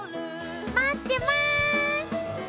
待ってます！